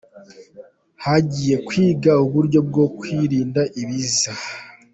Hagiye kwigwa uburyo bwo kwirinda ibiza